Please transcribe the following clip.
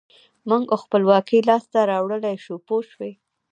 موږ خپلواکي لاسته راوړلای شو پوه شوې!.